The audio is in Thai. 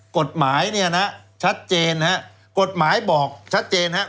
กฎหมายชัดเจนกฎหมายบอกชัดเจนครับ